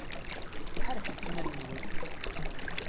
Ḥerrket iman-nwen!